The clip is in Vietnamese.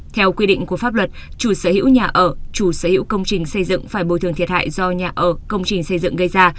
theo quy định của pháp luật chủ sở hữu nhà ở chủ sở hữu công trình xây dựng phải bồi thường thiệt hại do nhà ở công trình xây dựng gây ra